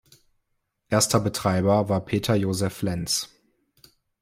Erster Betreiber war Peter-Josef Lenz.